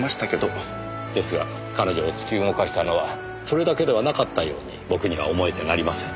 ですが彼女を突き動かしたのはそれだけではなかったように僕には思えてなりません。